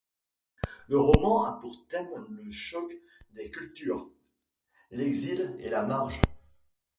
Le roman a pour thème le choc des cultures, l’exil et la marge.